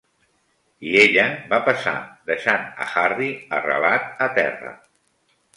I ella va passar, deixant a Harry arrelat a terra.